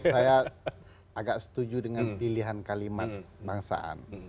saya agak setuju dengan pilihan kalimat bangsaan